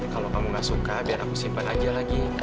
kalau kamu gak suka biar aku simpan aja lagi